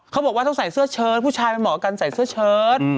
เขาบอกว่าต้องใส่เสื้อเชิดผู้ชายเป็นหมอกันใส่เสื้อเชิด